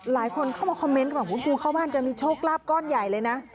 หลายคนเข้ามาคอมเมนต์ก็บอกว่ากูเข้าบ้านจะมีโชคลาภก้อนใหญ่เลยนะ